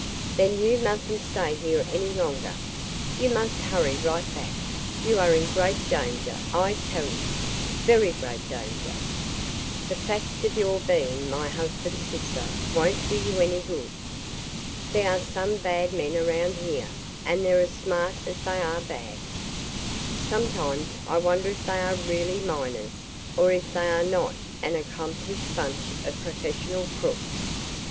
"Then you mustn't stay here any longer. You must hurry right back. You are in great danger, I tell you, very great danger. The fact of your being my husband's sister won't do you any good. There are some bad men around here, and they're as smart as they are bad. Sometimes I wonder if they are really miners, or if they are not an accomplished bunch of professional crooks."